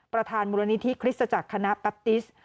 ประธานมูลนิธิคริสตจักรคณะแปปติส